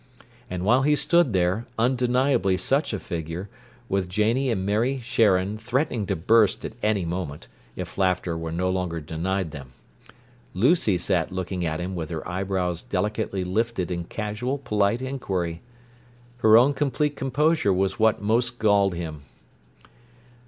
And while he stood there, undeniably such a figure, with Janie and Mary Sharon threatening to burst at any moment, if laughter were longer denied them. Lucy sat looking at him with her eyebrows delicately lifted in casual, polite inquiry. Her own complete composure was what most galled him.